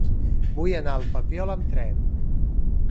Vull anar al Papiol amb tren.